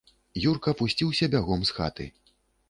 Юрка пусціўся бягом з хаты.